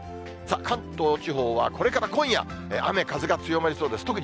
さあ、関東地方はこれから今夜、雨風が強まりそうです。